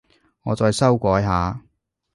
我再修改下